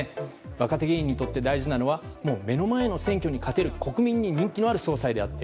若手議員にとって大事なのは目の前の選挙にかける国民に人気のある総裁であると。